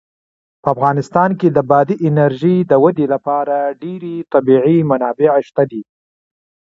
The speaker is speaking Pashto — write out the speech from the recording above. په افغانستان کې د بادي انرژي د ودې لپاره ډېرې طبیعي منابع شته دي.